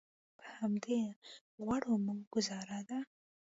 په همدې غوړو مو ګوزاره ده.